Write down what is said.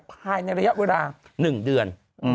ภายในระยะเวลา๑เดือน